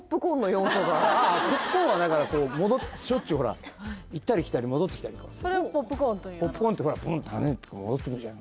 あポップコーンはだからしょっちゅうほら行ったり来たり戻ってきたりとかそれをポップコーンというポップコーンってほらポンって跳ねて戻ってくるじゃん